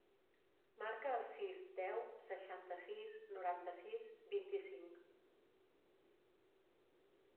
Marca el sis, deu, seixanta-sis, noranta-sis, vint-i-cinc.